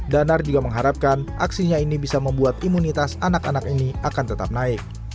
danar juga mengharapkan aksinya ini bisa membuat imunitas anak anak ini akan tetap naik